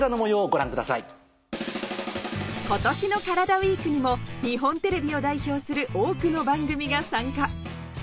ＷＥＥＫにも日本テレビを代表する多くの番組が参加